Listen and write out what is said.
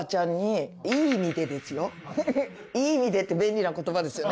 「いい意味で」って便利な言葉ですよね。